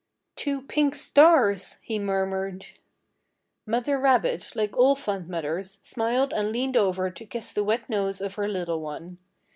"Two pink stars!" he murmured. Mother rabbit, like all fond mothers, smiled and leaned over to kiss the wet nose of her little one.